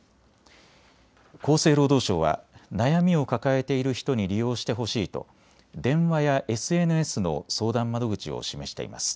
厚生労働省は悩みを抱えている人に利用してほしいと電話やＳＮＳの相談窓口を示しています。